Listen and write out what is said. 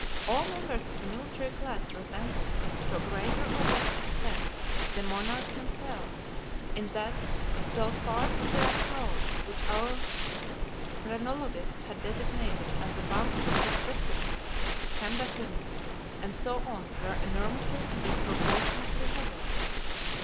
All members of the military class resembled, to a greater or less extent, the monarch himself, in that those parts of their skulls which our phrenologists had designated as the bumps of destructiveness, combativeness and so on were enormously and disproportionately developed.